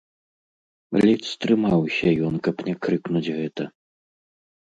Ледзь стрымаўся ён, каб не крыкнуць гэта.